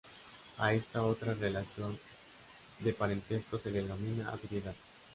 A esta otra relación de parentesco se le denomina afinidad.